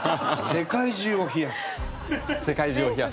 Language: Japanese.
世界中を冷やす。